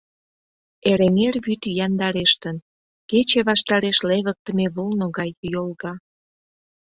Эреҥер вӱд яндарештын, кече ваштареш левыктыме вулно гай йолга.